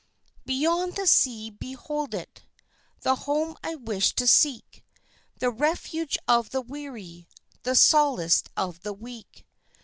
Beyond the sea behold it, The home I wish to seek The refuge of the weary, The solace of the weak!